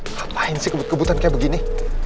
ngapain sih kebut kebutan kayak begini